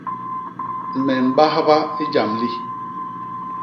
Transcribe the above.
Me mbahba i jam li.